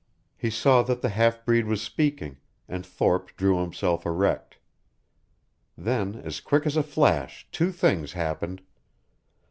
He saw that the half breed was speaking, and Thorpe drew himself erect. Then, as quick as a flash, two things happened.